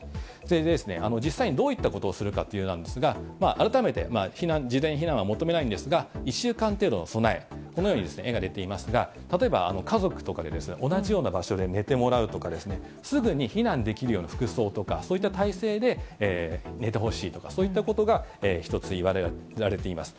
実際にどういったことをするかなんですが、改めて、事前避難は求めないんですが、１週間程度の備え、このように絵が出ていますが、例えば家族とかで、同じような場所で寝てもらうとか、すぐに避難できるような服装とか、そういった態勢で寝てほしいとか、そういったことが一ついわれています。